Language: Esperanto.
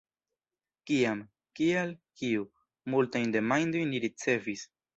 “Kiam?” “Kial?” “Kiu?” Multajn demandojn ni ricevis.